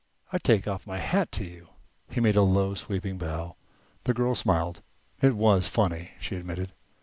I take off my hat to you." He made a low sweeping bow. The girl smiled. "It was funny," she admitted.